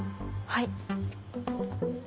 はい。